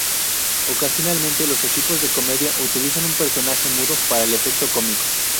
Ocasionalmente, los equipos de comedia utilizan un personaje mudo para el efecto cómico.